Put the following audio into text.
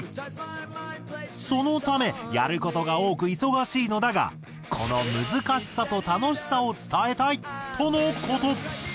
そのためやる事が多く忙しいのだがこの難しさと楽しさを伝えたいとの事。